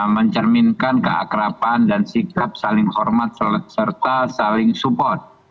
mencerminkan keakrapan dan sikap saling hormat serta saling support